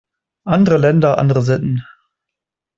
Andere Länder, andere Sitten.